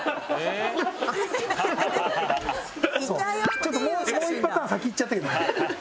ちょっともう１パターン先いっちゃったけど。